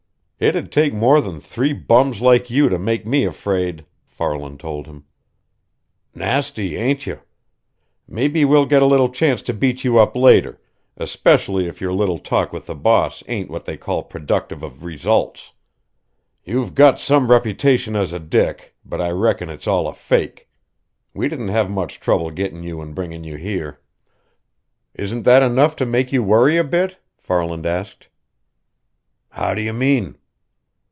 "It'd take more than three bums like you to make me afraid!" Farland told him. "Nasty, ain't you? Maybe we'll get a little chance to beat you up later, especially if your little talk with the boss ain't what they call productive of results. You've got some reputation as a dick, but I reckon it's all a fake. We didn't have much trouble gettin' you and bringin' you here." "Isn't that enough to make you worry a bit?" Farland asked. "How do you mean?"